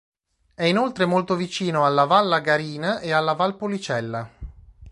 È inoltre molto vicino alla Vallagarina e alla Valpolicella.